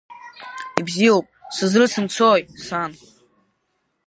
Ибзиоуп, сызрыцымцои, сан?